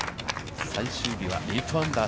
最終日は８アンダー。